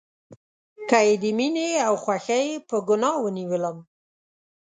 که یې د میینې او خوښۍ په ګناه ونیولم